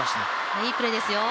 いいプレーですよ。